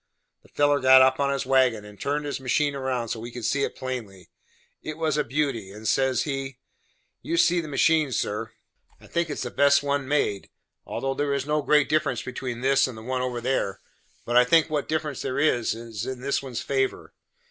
The feller got up on his wagon, and turned his machine round so we could see it plain it was a beauty and says he: "You see this machine, sir; I think it is the best one made, although there is no great difference between this and the one over there; but I think what difference there is, is in this one's favor.